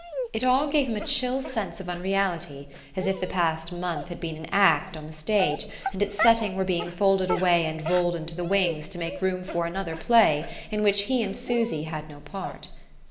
It all gave him a chill sense of unreality, as if the past month had been an act on the stage, and its setting were being folded away and rolled into the wings to make room for another play in which he and Susy had no part.